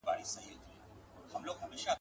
ته له ما جار، زه له تا جار.